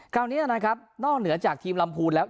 คราวนี้นะครับนอกเหนือจากทีมลำพูนแล้ว